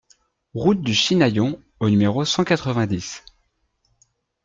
Route du Chinaillon au numéro cent quatre-vingt-dix